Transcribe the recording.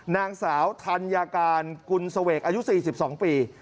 นางสาวธัญาการกุณศเวกอายุสี่สิบสองปี